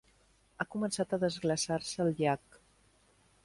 Ha començat a desglaçar-se el llac.